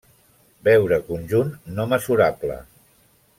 Veure conjunt no mesurable.